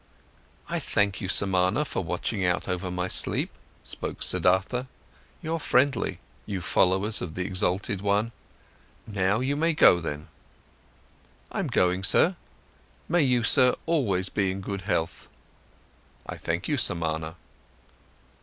"I thank you, Samana, for watching out over my sleep," spoke Siddhartha. "You're friendly, you followers of the exalted one. Now you may go then." "I'm going, sir. May you, sir, always be in good health." "I thank you, Samana."